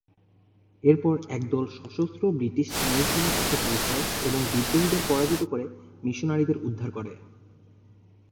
এরপর একদল সশস্ত্র ব্রিটিশ নৌসেনা এসে পৌঁছায় এবং বিদ্রোহীদের পরাজিত করে মিশনারিদের উদ্ধার করে।